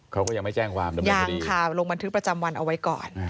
เขาก็ยังไม่แจ้งความดำเนินคดีค่ะลงบันทึกประจำวันเอาไว้ก่อน